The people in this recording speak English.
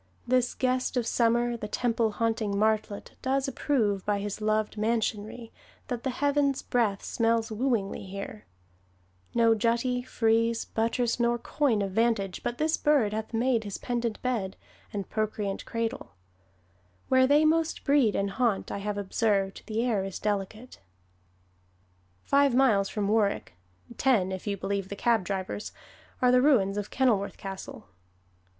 This guest of Summer, The temple haunting martlet, does approve, By his loved mansionry, that the heaven's breath Smells wooingly here: no jutty, frieze, Buttress, nor coign of vantage, but this bird Hath made his pendent bed, and procreant cradle; Where they most breed and haunt, I have observed, The air is delicate." Five miles from Warwick (ten, if you believe the cab drivers) are the ruins of Kenilworth Castle.